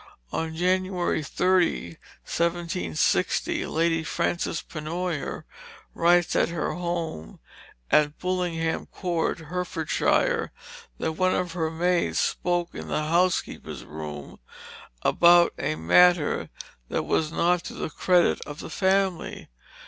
On January 30, 1760, Lady Frances Pennoyer writes at her home at Bullingham Court, Herefordshire, that one of her maids spoke in the housekeeper's room about a matter that was not to the credit of the family.